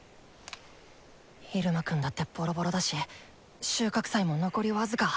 イルマくんだってボロボロだし収穫祭も残りわずか。